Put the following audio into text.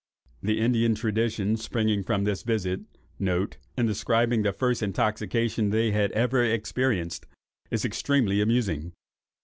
The Indian tradition, springing from that visit, and describing the first intoxication they had ever experienced, is extremely amusing.